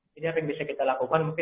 jadi apa yang bisa kita lakukan mungkin